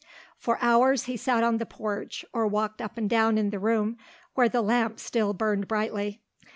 For hours he sat on the porch or walked up and down in the room where the lamp still burned brightly.